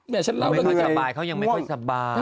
ไม่ค่อยสบายเขายังไม่ค่อยสบาย